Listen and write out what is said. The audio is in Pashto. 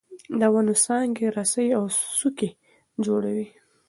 د ونو څانګې رسۍ او څوکۍ جوړوي.